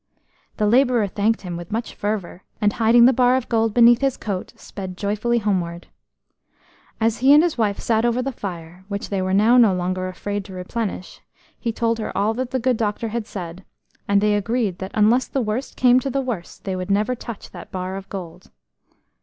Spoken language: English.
The labourer thanked him with much fervour, and, hiding the bar of gold beneath his coat, sped joyfully homeward. As he and his wife sat over the fire, which they were now no longer afraid to replenish, he told her all that the good doctor had said, and they agreed that unless the worst came to the worst, they would never touch that bar of gold.